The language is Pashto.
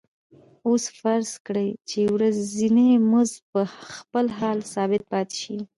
اوس فرض کړئ چې ورځنی مزد په خپل حال ثابت پاتې شي